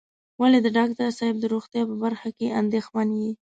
ولې د ډاکټر صاحب د روغتيا په برخه کې اندېښمن یې.